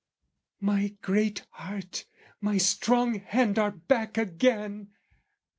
"My great hurt, my strong hand are back again!"